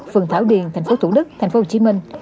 phường thảo điền thành phố thủ đức thành phố hồ chí minh